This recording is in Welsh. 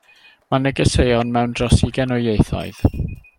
Mae negeseuon mewn dros ugain o ieithoedd.